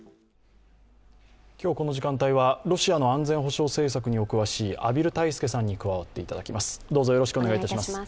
今日この時間帯はロシアの安全保障政策にお詳しい畔蒜泰助さんに加わっていただきます。